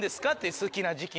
好きな時期に」。